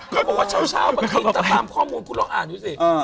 เขาบอกว่าเช้าบางทีแต่ตามข้อมูลคุณลองอ่านดูสิ